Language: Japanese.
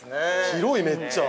◆広い、めっちゃ。